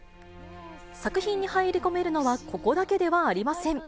作品に入り込めるのはここだけではありません。